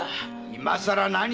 今更何だ！